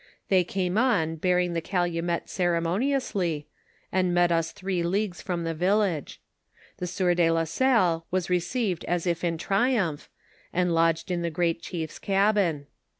They came on beai'ing the calumet ceremoniously, and met us three leagues from the village ; the sieur de la Salle was received as if in triumph, and lodged in the great chief's cabin.